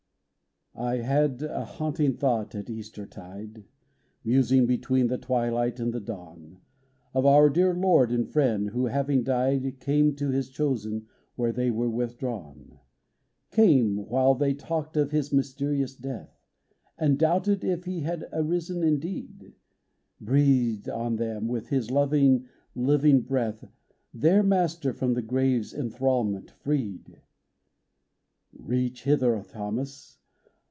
I HAD a haunting thought at Easter tide, Musing between the twilight and the dawn, Of our dear Lord and Friend, who, having died, Came to His chosen where they were with drawn : Came, while they talked of His mysterious death, And doubted if He had arisen indeed ; Breathed on them with His loving, living breath, Their Master, from the grave's inthr ailment freed. "Reach hither, Thomas